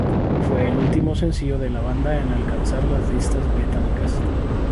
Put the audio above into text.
Fue el último sencillo de la banda en alcanzar las listas británicas.